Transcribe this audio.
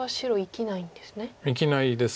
生きないです。